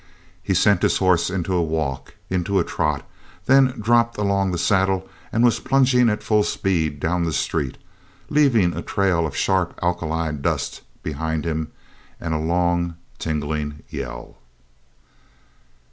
He sent his horse into a walk; into a trot; then dropped along the saddle, and was plunging at full speed down the street, leaving a trail of sharp alkali dust behind him and a long, tingling yell.